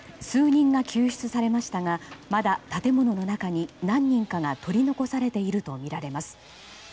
数人が救出されましたがまだ建物の中に何人かが取り残されているとみられます。